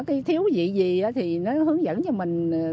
cái thiếu dị gì thì nó hướng dẫn cho mình